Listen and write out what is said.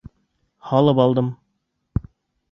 Һалып алдым.